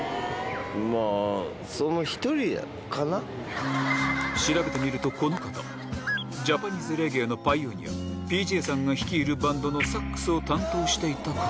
まあ、調べてみると、この方、ジャパニーズレゲエのパイオニア、ＰＪさんが率いるバンドのサックスを担当していた方。